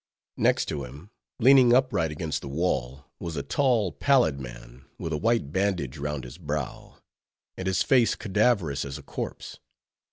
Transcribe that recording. Next him, leaning upright against the wall, was a tall, pallid man, with a white bandage round his brow, and his face cadaverous as a corpse.